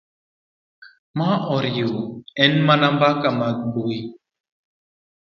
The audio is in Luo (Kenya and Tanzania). ma oriw ma en mbaka gi mbui